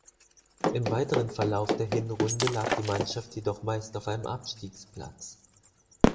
Im weiteren Verlauf der Hinrunde lag die Mannschaft jedoch meist auf einem Abstiegsplatz.